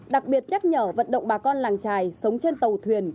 đặc biệt nhắc nhở vận động bà con làng trài sống trên tàu thuyền